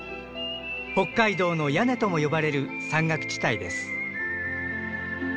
北海道の屋根とも呼ばれる山岳地帯です。